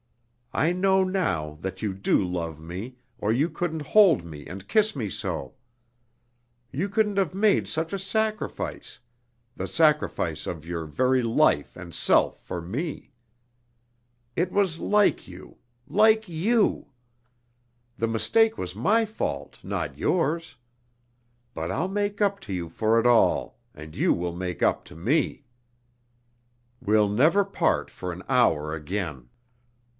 I know now that you do love me, or you couldn't hold me and kiss me so. You couldn't have made such a sacrifice the sacrifice of your very life and self for me. It was like you like you! The mistake was my fault, not yours. But I'll make up to you for it all, and you will make up to me. We'll never part for an hour again."